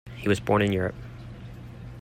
He was born in Europe.